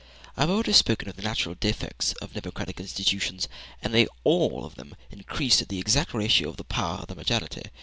I have already spoken of the natural defects of democratic institutions, and they all of them increase at the exact ratio of the power of the majority.